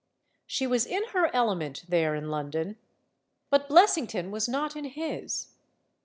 She was in her element, there in London. But Bles sington was not in his.